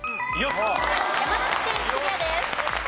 山梨県クリアです。